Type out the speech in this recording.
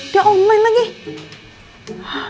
tidak ada yang nanya apa apa